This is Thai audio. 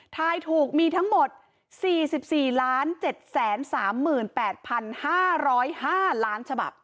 ทายถูกมีทั้งหมดสี่สิบสี่ล้านเจ็ดแสนสามหมื่นแปดพันห้าร้อยห้าร้านฉบับ